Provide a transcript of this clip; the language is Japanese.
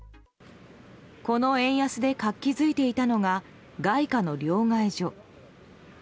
この円安で活気づいていたのが外貨の両替所。